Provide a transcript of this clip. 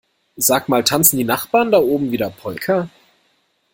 Sag mal tanzen die Nachbarn da oben wieder Polka?